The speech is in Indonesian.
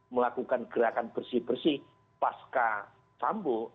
melakukan gerakan bersih bersih pasca sambo